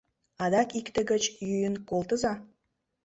Адак икте гыч йӱын колтыза!